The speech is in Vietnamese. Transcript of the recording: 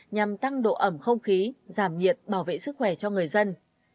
nhằm tăng độ ẩm không khí giảm nhiệt bảo vệ sức khỏe cho người dân